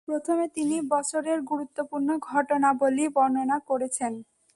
প্রথমে তিনি বছরের গুরুত্বপূর্ণ ঘটনাবলী বর্ণনা করেছেন।